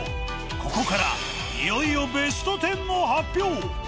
ここからいよいよベスト１０の発表。